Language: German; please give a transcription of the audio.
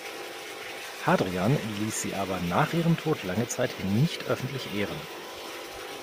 Hadrian ließ sie aber nach ihrem Tod lange Zeit nicht öffentlich ehren.